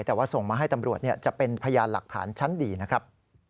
แต่ว่าส่งมาให้ตำรวจจะเป็นพยานหลักฐานชั้นดีนะครับ